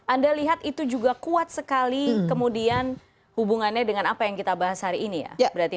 anda lihat itu juga kuat sekali kemudian hubungannya dengan apa yang kita bahas hari ini ya